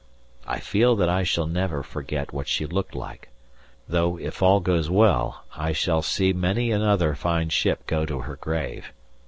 I feel that I shall never forget what she looked like, though, if all goes well, I shall see many another fine ship go to her grave.